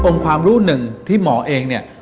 ความรู้หนึ่งที่หมอเองเนี่ย